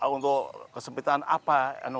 untuk kesempitan apa